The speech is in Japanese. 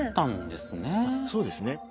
そうですね。